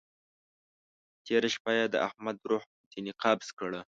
تېره شپه يې د احمد روح ځينې قبض کړه.